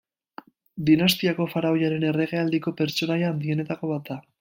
Dinastiako faraoiaren erregealdiko pertsonaia handienetako bat da.